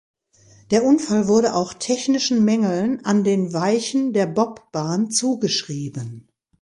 Der Unfall wurde auch technischen Mängeln an den Weichen der Bobbahn zugeschrieben.